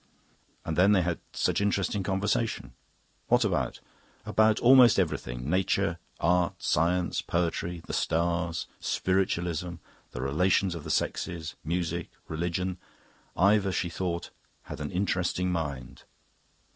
And then they had had such interesting conversation. What about? About almost everything. Nature, art, science, poetry, the stars, spiritualism, the relations of the sexes, music, religion. Ivor, she thought, had an interesting mind.